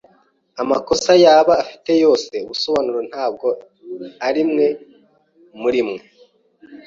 Amakosa yaba afite yose, ubusobanuro ntabwo arimwe murimwe.